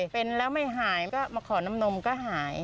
เป็นแล้วไม่หายก็มาขอน้ำนมก็หาย